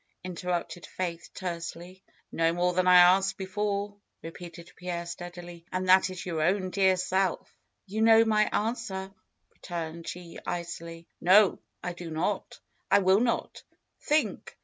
in terrupted Faith tersely. ^^No more than I asked before," repeated Pierre steadily. '^And that is your own dear self." ^^You know my answer," returned she icily. ^^No! I do not. I will not. Think!